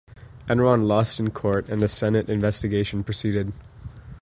Enron lost in court and the Senate investigation proceeded.